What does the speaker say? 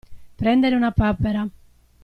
Prendere una papera.